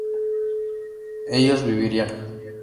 ¿ellos vivirían?